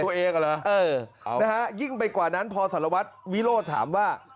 เหรอเออนะฮะยิ่งไปกว่านั้นพอสารวัตรวิโรธถามว่า